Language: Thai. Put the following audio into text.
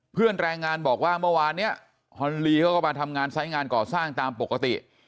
แรงงานบอกว่าเมื่อวานเนี่ยฮอนลีเขาก็มาทำงานไซส์งานก่อสร้างตามปกติ